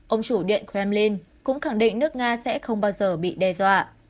ông chủ điện kremlin cũng khẳng định nước nga sẽ không bao giờ bị đe dọa